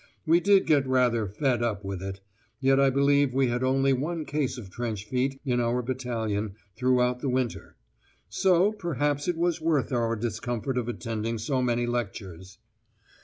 We did get rather "fed up" with it; yet I believe we had only one case of trench feet in our battalion throughout the winter; so perhaps it was worth our discomfort of attending so many lectures!